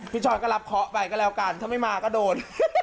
ชอยก็รับเคาะไปก็แล้วกันถ้าไม่มาก็โดน